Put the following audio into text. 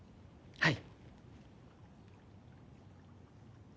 はい。